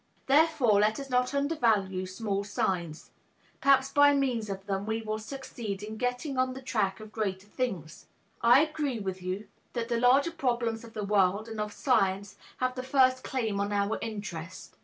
Therefore, let us not undervalue small signs; perhaps by means of them we will succeed in getting on the track of greater things. I agree with you that the larger problems of the world and of science have the first claim on our interest.